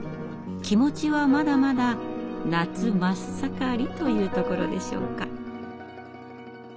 気持ちはまだまだ夏真っ盛りというところでしょうか。